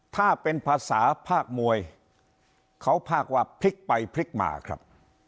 ถ้าเป็นภาษาภาคมวยเขาภาคว่าพลิกไปพลิกมาครับ